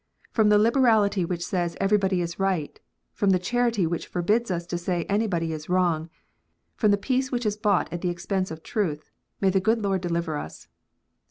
From the liberality which says everybody is right, from the charity which forbids us to say anybody is wrong, from the peace which is bought at the expense of truth, may the good Lord deliver us